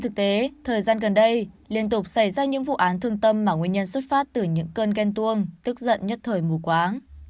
thực tế thời gian gần đây liên tục xảy ra những vụ án thương tâm mà nguyên nhân xuất phát từ những cơn ghen tuông tức giận nhất thời mù quáng